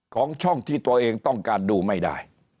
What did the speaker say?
ของช่องที่ตัวเองต้องการดูไม่ได้